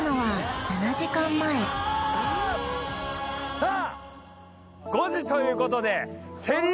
さぁ５時ということで。